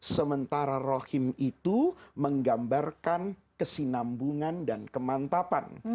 sementara rahim itu menggambarkan kesinambungan dan kemantapan